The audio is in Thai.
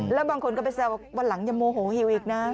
แล้วบางคนก็เป็นแซ่วว่างวันหลังอย่าโมโหหิวอีกนะ